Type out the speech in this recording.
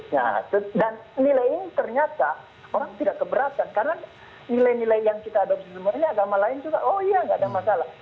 nah dan nilai ini ternyata orang tidak keberatan karena nilai nilai yang kita adopsi semua ini agama lain juga oh iya nggak ada masalah